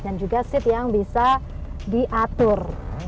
dan juga seat yang bisa diatur